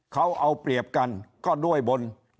เขาเอาเปรียบกันก็ด้วยบน